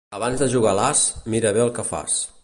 Abans de jugar l'as, mira bé el que fas.